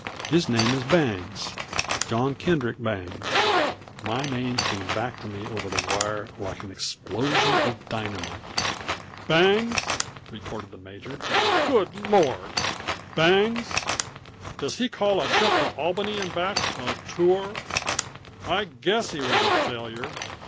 His name is Bangs John Kendrick Bangs." My name came back at me over the wire like an explosion of dynamite. "Bangs!" retorted the major. "Good Lord Bangs! Does he call a trip up to Albany and back a tour? _I guess he was a failure!